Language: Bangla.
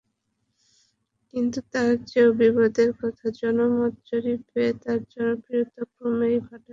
কিন্তু তার চেয়েও বিপদের কথা, জনমত জরিপে তাঁর জনপ্রিয়তা ক্রমেই ভাটার দিকে।